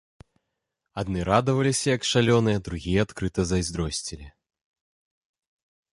Адны радаваліся, як шалёныя, другія адкрыта зайздросцілі.